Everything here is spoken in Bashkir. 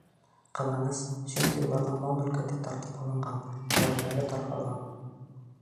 Ҡыҙғаныс, сөнки уларҙың мал-мөлкәте тартып алынған, ғаиләләре тарҡалған.